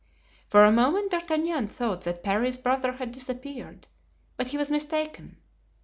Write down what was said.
For a moment D'Artagnan thought that Parry's brother had disappeared; but he was mistaken.